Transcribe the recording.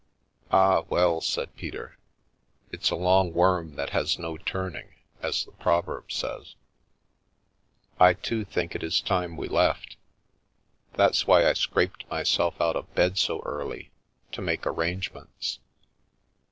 " Ah, well," said Peter, " it's a long worm that has no turning, as the proverb says. I, too, think it is time we left. That's why I scraped myself out of bed so early. To make arrangements.